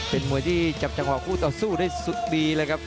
เป็นมวยที่จับจังหวะคู่ต่อสู้ได้สุดดีเลยครับ